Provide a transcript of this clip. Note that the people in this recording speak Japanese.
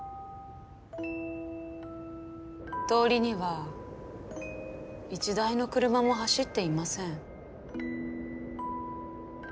通りには一台の車も走っていません。